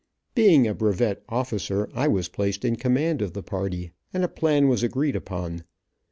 Being a brevet officer I was placed in command of the party, and a plan was agreed upon.